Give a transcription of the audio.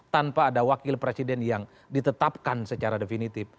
tanpa ada wakil presiden yang ditetapkan secara definitif